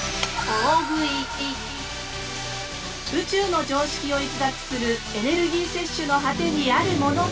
宇宙の常識を逸脱するエネルギー摂取の果てにあるものとは！